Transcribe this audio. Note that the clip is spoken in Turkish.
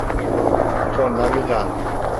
Tornavida.